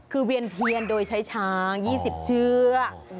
คือเวียนเทียนโดยใช้ช้าง๒๐เชือก